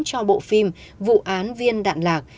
cho bộ phim vụ án viên đạn lạc